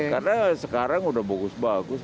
karena sekarang udah bagus bagus